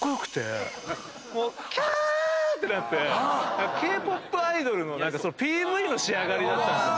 何かＫ−ＰＯＰアイドルのＰＶの仕上がりだったんですよ。